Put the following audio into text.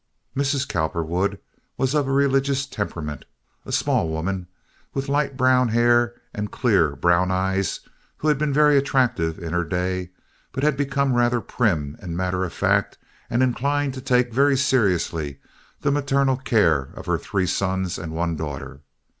Mrs. Cowperwood was of a religious temperament—a small woman, with light brown hair and clear, brown eyes, who had been very attractive in her day, but had become rather prim and matter of fact and inclined to take very seriously the maternal care of her three sons and one daughter.